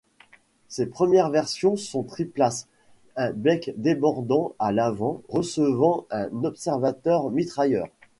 Ces premières versions sont triplaces, un bec débordant à l’avant recevant un observateur mitrailleur.